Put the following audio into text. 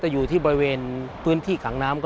อยู่ที่บริเวณพื้นที่ขังน้ำ